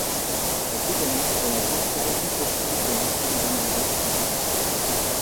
La plus connue est la Grande salle hypostyle de l'enceinte d'Amon-Rê à Karnak.